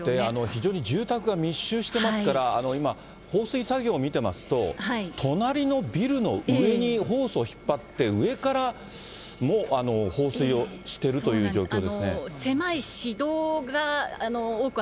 非常に住宅が密集していますから、今、放水作業を見てますと、隣のビルの上にホースを引っ張って、上から放水をしてるという状況ですね。